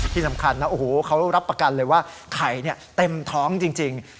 ที่สำคัญนะโอ้โหเขารับประกันเลยว่าไข่เต็มท้องจริง